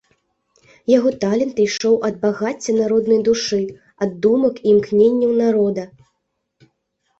Яго талент ішоў ад багацця народнай душы, ад думак і імкненняў народа.